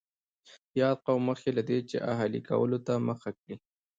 یاد قوم مخکې له دې چې اهلي کولو ته مخه کړي